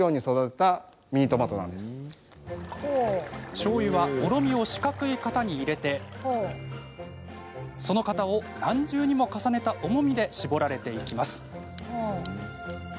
しょうゆはもろみを四角い型に入れてその型を何重にも重ねた重みで搾られていきます。